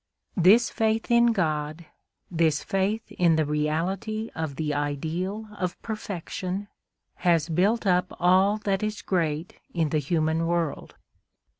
This faith in God, this faith in the reality of the ideal of perfection, has built up all that is great in the human world.